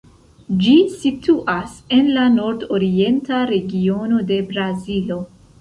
Ĝi situas en la nordorienta regiono de Brazilo.